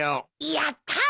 やったー！